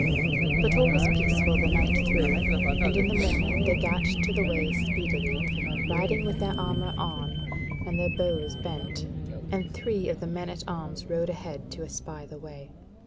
But all was peaceful the night through, and in the morning they gat to the way speedily, riding with their armour on, and their bows bent: and three of the men at arms rode ahead to espy the way.